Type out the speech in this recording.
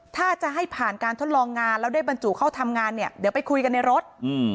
ถ้าจะให้ผ่านการทดลองงานแล้วได้บรรจุเข้าทำงานเนี่ยเดี๋ยวไปคุยกันในรถ